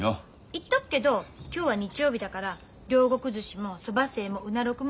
言っとくけど今日は日曜日だから両国ずしもそば清もうな六もお休み。